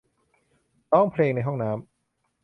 ร้องเพลงในห้องน้ำ